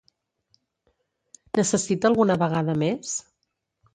Necessita alguna vegada més?